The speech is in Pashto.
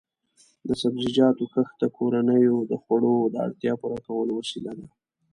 د سبزیجاتو کښت د کورنیو د خوړو د اړتیا پوره کولو وسیله ده.